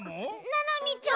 ななみちゃん？